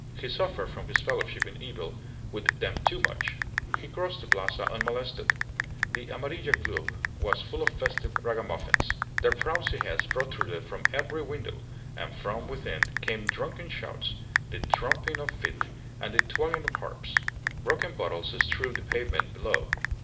He suffered from his fellowship in evil with them too much. He crossed the Plaza unmolested. The Amarilla Club was full of festive ragamuffins. Their frowsy heads protruded from every window, and from within came drunken shouts, the thumping of feet, and the twanging of harps. Broken bottles strewed the pavement below.